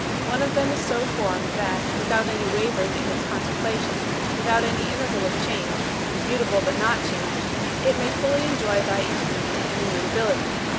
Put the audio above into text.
One of them is so formed that, without any wavering in its contemplation, without any interval of change mutable but not changed it may fully enjoy thy eternity and immutability.